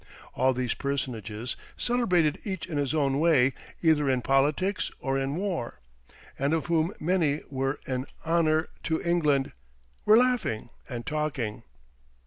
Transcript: All these personages celebrated each in his own way, either in politics or in war, and of whom many were an honour to England were laughing and talking.